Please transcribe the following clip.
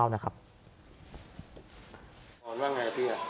ว่าไงอ่ะพี่